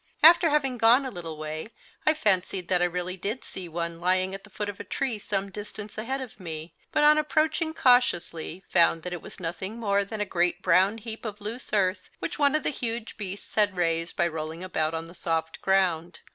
After having gone a little way I fancied that I really did see one lying at the foot of a tree some distance ahead of me, but on approaching cautiously found that it was nothing more than a great brown heap of loose earth which one of the huge beasts had raised by rolling about on the soft ground.